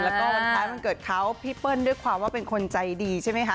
แล้วก็วันคล้ายวันเกิดเขาพี่เปิ้ลด้วยความว่าเป็นคนใจดีใช่ไหมคะ